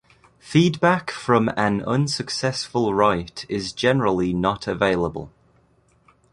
Feedback from an unsuccessful write is generally not available.